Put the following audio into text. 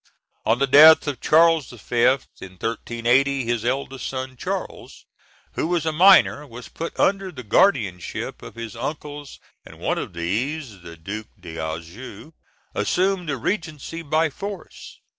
On the death of Charles V., in 1380, his eldest son Charles, who was a minor, was put under the guardianship of his uncles, and one of these, the Duke d'Anjou, assumed the regency by force.